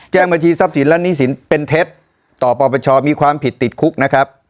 บัญชีทรัพย์สินและหนี้สินเป็นเท็จต่อปปชมีความผิดติดคุกนะครับ